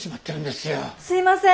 すいません！